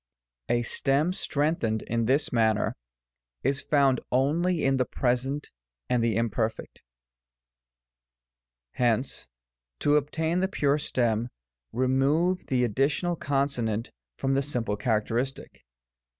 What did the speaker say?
A stem strengthened in this manner is found only in the Present and the Imperfect. Hence, to obtain the pure stem, remove the additional consonant from the simple characteristic.